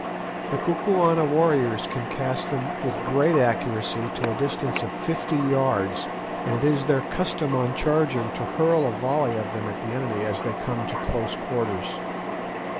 The Kukuana warriors can cast them with great accuracy to a distance of fifty yards, and it is their custom on charging to hurl a volley of them at the enemy as they come to close quarters.